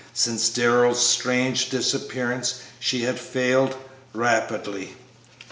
Since Darrell's strange disappearance she had failed rapidly.